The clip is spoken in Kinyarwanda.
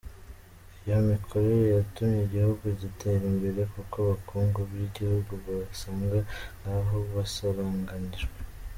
Iyo mikorere yatumye igihugu gitera imbere kuko ubukungu bw’igihugu bwasaga nk’aho busaranganyijwe.